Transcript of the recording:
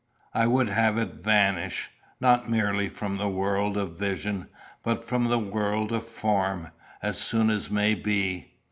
I would have it vanish, not merely from the world of vision, but from the world of form, as soon as may be.